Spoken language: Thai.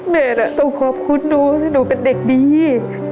ต้องขอบคุณหนูที่หนูเป็นเด็กดี